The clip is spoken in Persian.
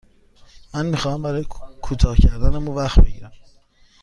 من می خواهم برای کوتاه کردن مو وقت بگیرم.